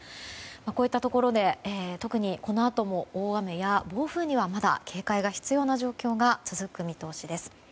こういったところで特にこのあとも大雨や暴風にはまだ警戒が必要な状況が続く見通しです。